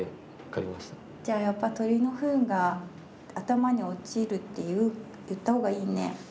じゃあやっぱ鳥のふんが頭に落ちるって言った方がいいね。